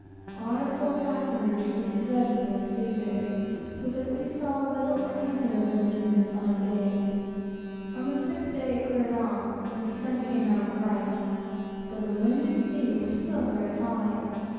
Our four passengers were dreadfully sick, so that we saw little or nothing of them during the five days. On the sixth day it cleared off, and the sun came out bright, but the wind and sea were still very high.